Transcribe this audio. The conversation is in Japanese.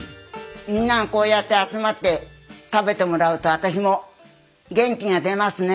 みんながこうやって集まって食べてもらうと私も元気が出ますね。